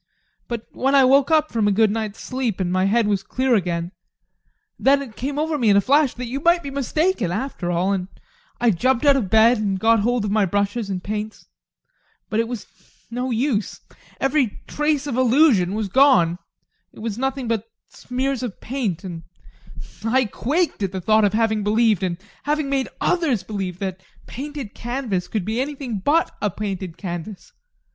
But when I woke up from a good night's sleep and my head was clear again, then it came over me in a flash that you might be mistaken after all. And I jumped out of bed and got hold of my brushes and paints but it was no use! Every trace of illusion was gone it was nothing but smears of paint, and I quaked at the thought of having believed, and having made others believe, that a painted canvas could be anything but a painted canvas.